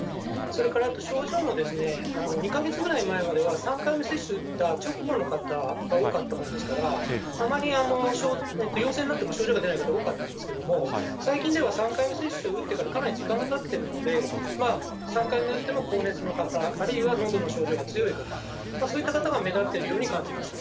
それから、あと症状も、２か月ぐらい前までは、３回目接種を打った直後の方が多かったものですから、あまり陽性になっても症状が出ない方が多かったんですけれども、最近では３回目接種を打ってからかなり時間がたってるので、３回目打っても高熱の方、あるいはのどの症状が強い方、そういった方が目立ってるように感じます。